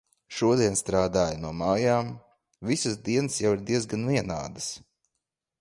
Šodien strādāju no mājām. Visas dienas jau ir diezgan vienādas.